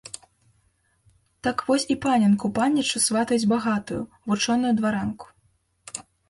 Так, вось і паненку панічу сватаюць багатую, вучоную дваранку.